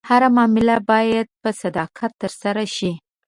هره معامله باید په صداقت ترسره شي.